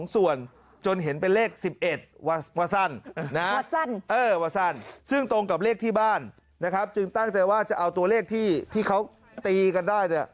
ซึ่งตรงกับเลขที่บ้านจึงตั้งใจว่าจะเอาตัวเลขที่เขาตีกันได้